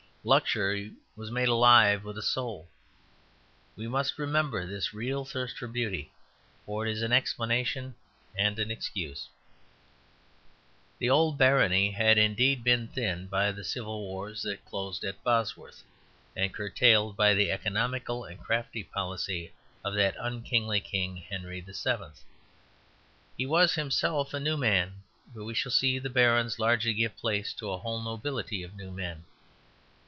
Luxury was made alive with a soul. We must remember this real thirst for beauty; for it is an explanation and an excuse. The old barony had indeed been thinned by the civil wars that closed at Bosworth, and curtailed by the economical and crafty policy of that unkingly king, Henry VII. He was himself a "new man," and we shall see the barons largely give place to a whole nobility of new men.